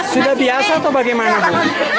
sudah biasa atau bagaimana bu